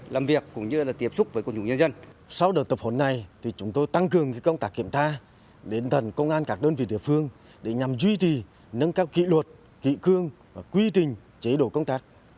sau đợt tập huấn này chúng tôi tăng cường công tác kiểm tra đến thần công an các đơn vị địa phương để nhằm duy trì nâng cao kỷ luật kỵ cương và quy trình chế độ công tác